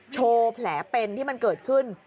โชว์แผลเป็นที่มันเกิดขึ้น